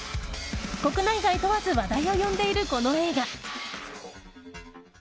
国内外問わず話題を呼んでいるこの映画。